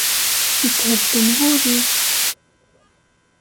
Ithedden wul-iw.